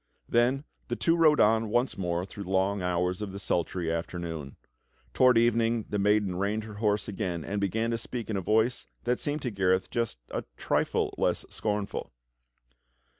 Then the two rode on once more through the long hours of the sultry afternoon. Toward evening the maiden reined her horse again and began to speak in a voice that seemed to Gareth just a trifle less scornful.